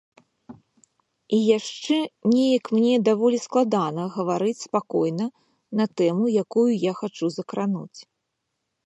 І яшчэ неяк мне даволі складана гаварыць спакойна на тэму, якую я хачу закрануць.